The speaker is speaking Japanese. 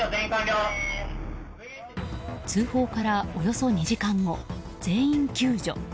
通報からおよそ２時間後全員救助。